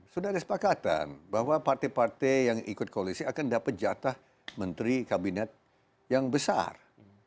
sudah ada sepakatan bahwa partai partai yang ikut koalisi akan dapat jatah menteri kabinet yang besar